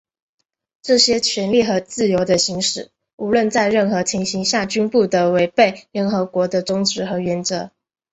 这些权利和自由的行使,无论在任何情形下均不得违背联合国的宗旨和原则。